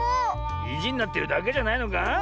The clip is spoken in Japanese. いじになってるだけじゃないのか？